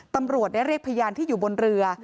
ตำรวจได้เรียกพยานที่อยู่บนเรือ